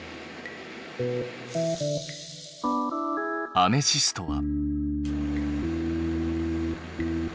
アメシストは。